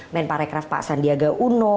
men pak rekref pak sandiaga uno